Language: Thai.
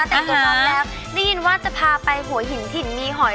แต่สุดท้ายแล้วได้ยินว่าจะพาไปหัวหินถิ่นมีหอย